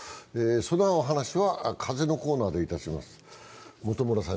そのお話は風のコーナーでいたします。